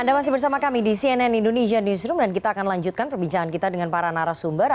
anda masih bersama kami di cnn indonesia newsroom dan kita akan lanjutkan perbincangan kita dengan para narasumber